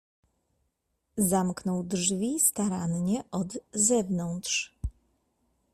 "Zamknął drzwi starannie od zewnątrz."